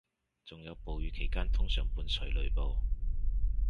仲有暴雨期間通常伴隨雷暴